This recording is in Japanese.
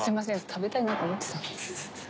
食べたいなと思ってたんです。